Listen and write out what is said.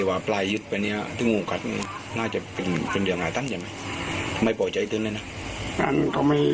อันดับ๑๐ปี๒๐๑๘